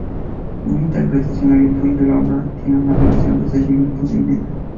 Una interpretación habitual de la obra tiene una duración de seis minutos y medio.